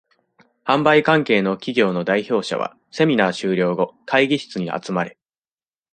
販売関係の企業の代表者は、セミナー終了後、会議室に集まれ。